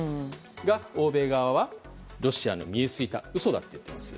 しかし、欧米側はロシアの見え透いた嘘だと言っています。